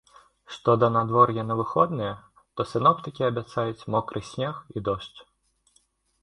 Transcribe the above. Што да надвор'я на выхадныя, то сіноптыкі абяцаюць мокры снег і дождж.